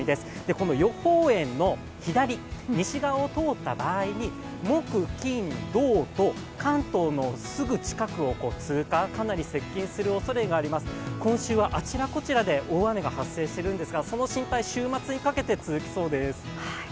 この予報円の左、西側を通った場合に木金土と関東のすぐ近くを通過、かなり接近するおそれがあります、今週はあちらこちらで大雨が発生するんですが、その心配、週末にかけて続きそうです。